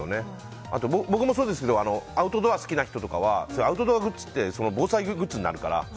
あと僕もそうですけどアウトドア好きな人とかはアウトドアグッズって防災グッズになるから。